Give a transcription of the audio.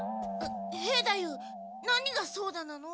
兵太夫何が「そうだ！」なの？